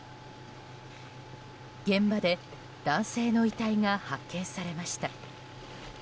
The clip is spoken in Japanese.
現場で男性の遺体が発見されました。